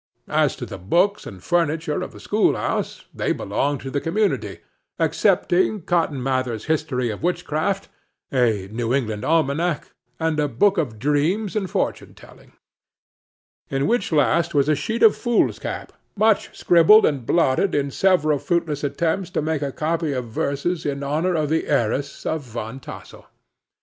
As to the books and furniture of the schoolhouse, they belonged to the community, excepting Cotton Mather's "History of Witchcraft," a "New England Almanac," and a book of dreams and fortune telling; in which last was a sheet of foolscap much scribbled and blotted in several fruitless attempts to make a copy of verses in honor of the heiress of Van Tassel.